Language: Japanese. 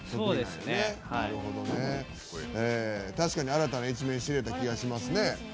確かに新たな一面知れた気がしますね。